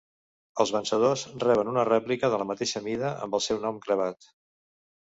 Els vencedors reben una rèplica de la mateixa mida amb el seu nom gravat.